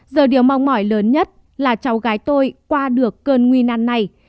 giờ điều mong mỏi lớn nhất là cháu gái tôi qua được cơn nguy nan này